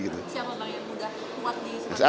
siapa yang mudah muat di sumatera utara